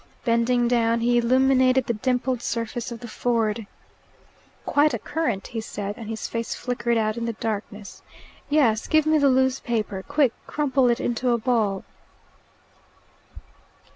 Bending down, he illuminated the dimpled surface of the ford. "Quite a current." he said, and his face flickered out in the darkness. "Yes, give me the loose paper, quick! Crumple it into a ball."